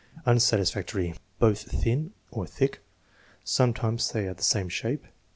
Unsatisfactory. "Both thin" (or thick). "Sometimes they are the same shape."